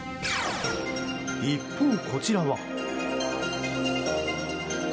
一方こちらは。